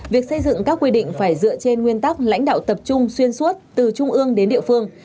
việc xây dựng các quy định phải dựa trên nguyên tắc lãnh đạo tập trung xuyên suốt từ trung ương đến địa phương